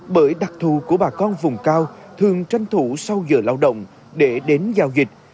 bởi đặc thù của bà con vùng cao thường tranh thủ sau giờ lao động để đến giao dịch